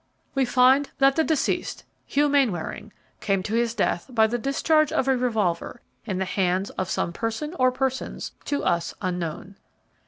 "We find that the deceased, Hugh Mainwaring, came to his death by the discharge of a revolver in the hands of some person or persons to us unknown."